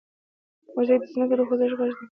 موزیک د ځمکې د خوځښت غږ دی.